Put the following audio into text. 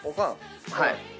はい。